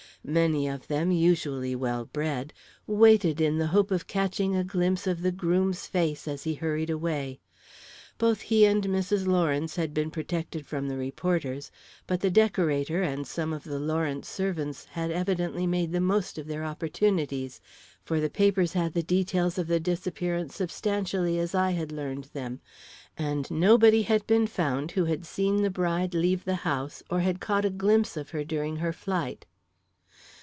Many of them, usually well bred, waited in the hope of catching a glimpse of the groom's face as he hurried away. Both he and Mrs. Lawrence had been protected from the reporters, but the decorator and some of the Lawrence servants had evidently made the most of their opportunities, for the papers had the details of the disappearance substantially as I had learned them. And nobody had been found who had seen the bride leave the house, or had caught a glimpse of her during her flight.